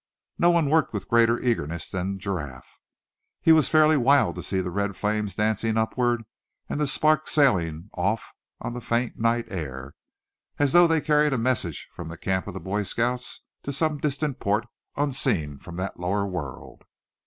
No one worked with greater eagerness than Giraffe. He was fairly wild to see the red flames dancing upward, and the sparks sailing off on the faint night air, as though they carried messages from the camp of the Boy Scouts to some distant port unseen from that lower world.